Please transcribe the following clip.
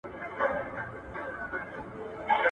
خيانت کول د منافقانو نښه ده.